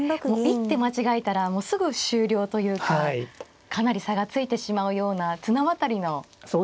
一手間違えたらすぐ終了というかかなり差がついてしまうような綱渡りの局面をしのいで。